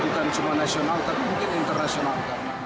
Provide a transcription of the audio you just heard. bukan cuma nasional tapi mungkin internasional